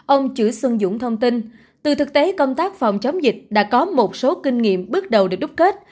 ông chữ xuân dũng thông tin từ thực tế công tác phòng chống dịch đã có một số kinh nghiệm bước đầu được đúc kết